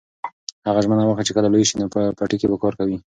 هغه ژمنه وکړه چې کله لوی شي نو په پټي کې به کار کوي.